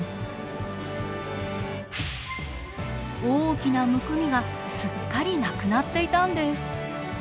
大きなむくみがすっかりなくなっていたんです。